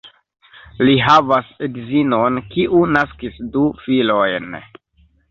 Li havas edzinon, kiu naskis du filojn.